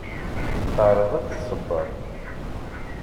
Teɛreḍ ad t-tṣebber.